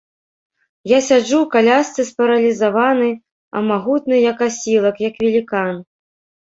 Я сяджу ў калясцы спаралізаваны, а магутны, як асілак, як велікан.